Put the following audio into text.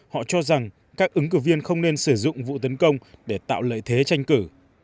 họ cho rằng các ứng cử viên không nên sử dụng vụ tấn công để tạo lợi thế tranh cử